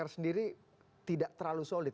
dpr sendiri tidak terlalu solid